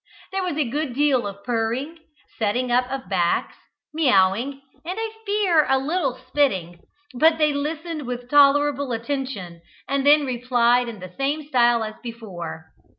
There was a good deal of purring, setting up of backs, miawing, and I fear a little spitting; but they listened with tolerable attention, and then replied in the same style as before.